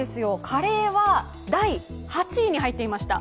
カレーは第８位に入ってました。